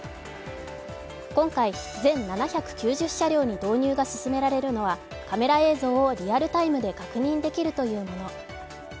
今回、全７９０車両に導入が進められるのはカメラ映像をリアルタイムで確認できるというもの。